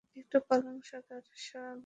একটু পালং শাক আর সাজনা দিও।